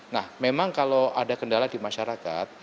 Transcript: nah memang kalau ada kendala di masyarakat